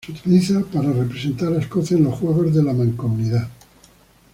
Se utiliza para representar a Escocia en los Juegos de la Mancomunidad.